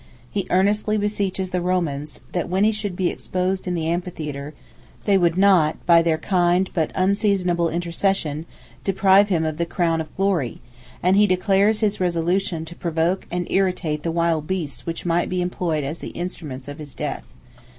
He earnestly beseeches the Romans, that when he should be exposed in the amphitheatre, they would not, by their kind but unseasonable intercession, deprive him of the crown of glory; and he declares his resolution to provoke and irritate the wild beasts which might be employed as the instruments of his death.